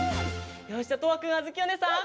よしじゃとわくんあづきおねえさん